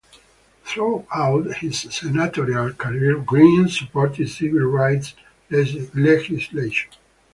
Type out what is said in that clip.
Throughout his senatorial career Green supported civil rights legislation.